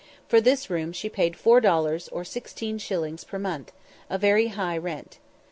For this room she paid four dollars or 16_s._ per month, a very high rent.